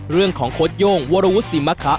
เรื่องของโค้ดโย่งวรวุฒิมมะคะ